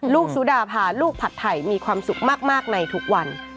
สุดาพาลูกผัดไทยมีความสุขมากในทุกวัน